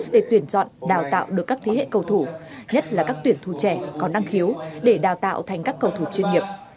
để tuyển chọn đào tạo được các thế hệ cầu thủ nhất là các tuyển thủ trẻ còn năng khiếu để đào tạo thành các cầu thủ chuyên nghiệp